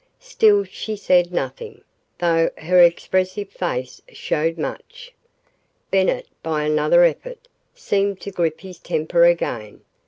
Still she said nothing, though her expressive face showed much. Bennett, by another effort, seemed to grip his temper again.